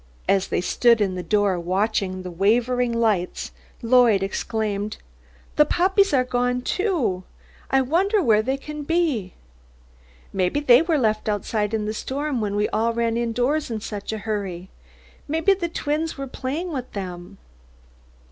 As they stood in the door watching the wavering lights, Lloyd exclaimed, "The puppies are gone, too. I wonder where they can be. Maybe they were left outside in the storm when we all ran indoors in such a hurry. Maybe the twins were playing with them."